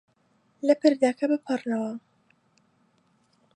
لە پردەکە بپەڕنەوە.